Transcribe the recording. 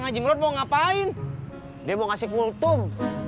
ngajak mau ngapain dia mau ngasih kultum